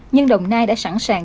nhưng đồng nai đã sẵn sàng